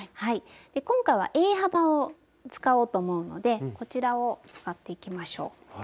今回はＡ幅を使おうと思うのでこちらを使っていきましょう。